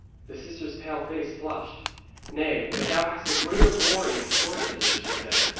The sister's pale face flushed. 'Nay, but thou hadst a greater glory in store for thee,' she said.